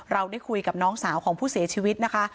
เราได้คุยกับน้องสาวของผู้เสียชีวิตนะคะ